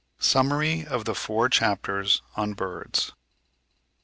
A SUMMARY OF THE FOUR CHAPTERS ON BIRDS.